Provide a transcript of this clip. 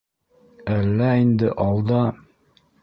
Әллә инде алда...